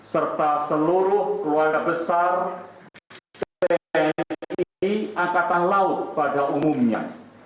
serta seluruh keluarga besar tni angkatan laut pada umumnya